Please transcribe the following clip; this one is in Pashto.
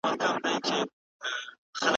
بد انسان تل سخت وي